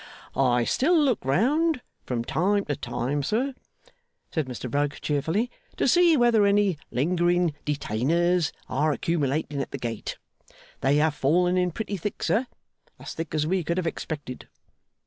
'I still look round, from time to time, sir,' said Mr Rugg, cheerfully, 'to see whether any lingering Detainers are accumulating at the gate. They have fallen in pretty thick, sir; as thick as we could have expected.